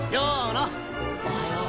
おはよう。